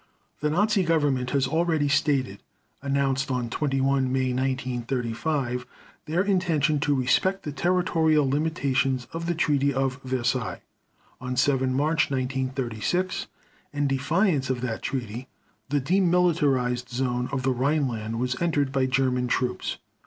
The Nazi Government as already stated, announced on 21 May 1935 their intention to respect the territorial limitations of the Treaty of Versailles. On 7 March 1936, in defiance of that Treaty, the demilitarized zone of the Rhineland was entered by German troops.